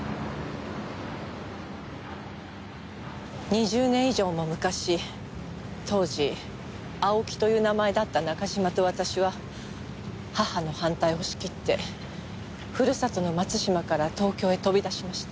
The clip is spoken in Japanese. ２０年以上も昔当時青木という名前だった中島と私は母の反対を押し切ってふるさとの松島から東京へ飛び出しました。